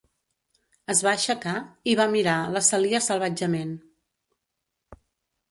Es va aixecar i va mirar la Celia salvatgement.